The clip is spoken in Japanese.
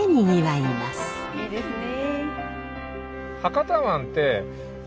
いいですね。